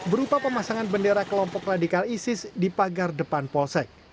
berupa pemasangan bendera kelompok radikal isis di pagar depan polsek